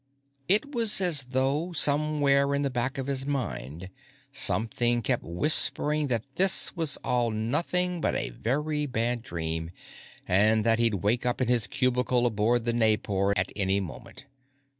It was as though, somewhere in the back of his mind, something kept whispering that this was all nothing but a very bad dream and that he'd wake up in his cubicle aboard the Naipor at any moment.